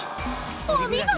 お見事！